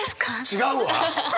違うわ！